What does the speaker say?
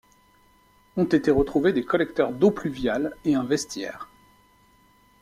Ont été retrouvés des collecteurs d'eaux pluviales et un vestiaire.